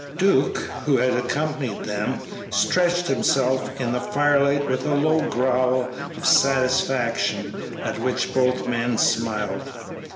Duke, who had accompanied them, stretched himself in the firelight with a low growl of satisfaction, at which both men smiled.